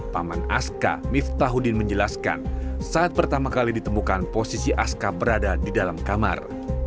paman aska miftahudin menjelaskan saat pertama kali ditemukan posisi aska berada di dalam kamar